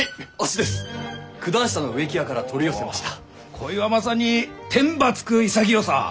こいはまさに天ば衝く潔さ！